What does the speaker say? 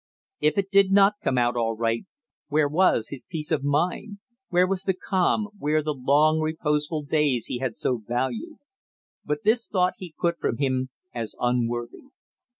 If it did not come out all right, where was his peace of mind; where was the calm, where the long reposeful days he had so valued? But this thought he put from him as unworthy.